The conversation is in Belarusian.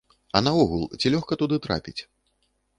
А наогул, ці лёгка туды трапіць?